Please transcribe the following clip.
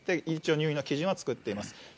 一応、入院の基準は作っています。